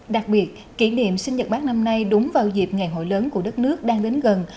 đặc biệt kỷ niệm sinh nhật bác năm nay đúng vào dịp ngày hội lớn của đất nước đang đến gần